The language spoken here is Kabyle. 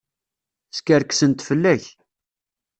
Skerksent fell-ak.